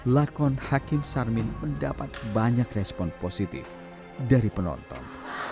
lakon hakim sarmin mendapat banyak respon positif dari penonton